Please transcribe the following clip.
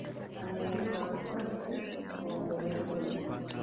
ameelezea wasi wasi wa umoja huo